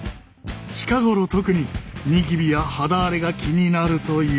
近頃特にニキビや肌荒れが気になるという。